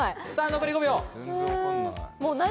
残り５秒。